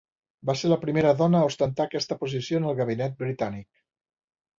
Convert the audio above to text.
Va ser la primera dona a ostentar aquesta posició en el gabinet britànic.